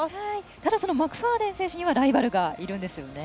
ただ、マクファーデン選手ライバルがいるんですよね。